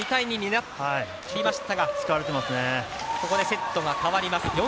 ここでセットが変わります。